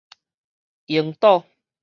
櫻島